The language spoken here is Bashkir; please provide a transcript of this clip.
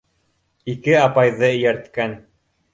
Ике апайҙы эйәрткән.